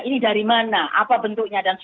ini dari mana apa bentuknya